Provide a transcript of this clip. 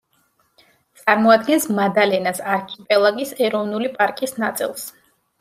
წარმოადგენს მადალენას არქიპელაგის ეროვნული პარკის ნაწილს.